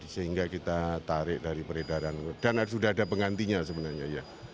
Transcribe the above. sehingga kita tarik dari peredaran dan sudah ada pengantinya sebenarnya ya